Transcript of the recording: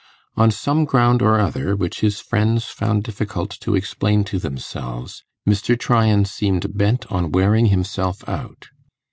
On some ground or other, which his friends found difficult to explain to themselves, Mr. Tryan seemed bent on wearing himself out.